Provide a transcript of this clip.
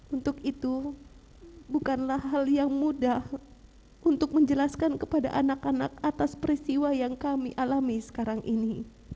untuk itu bukanlah hal yang mudah untuk menjelaskan kepada anak anak atas peristiwa yang kami alami sekarang ini